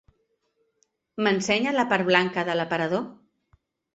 M'ensenya la part blanca de l'aparador?